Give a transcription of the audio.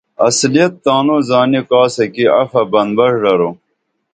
اصلیت تانو زانی کاسہ کی عفہ بن بݜ درو